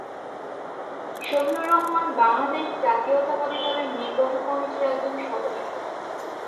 শফিক-উর-রহমান বাংলাদেশ জাতীয়তাবাদী দলের নির্বাহী কমিটির একজন সদস্য।